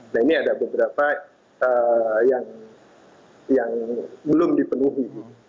nah ini ada beberapa yang belum dipenuhi